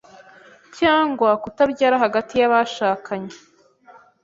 cyangwa kutabyara hagati y’abashakanye: